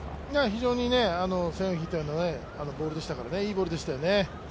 非常に線を引いたようなボールでしたからいいボールでしたよね。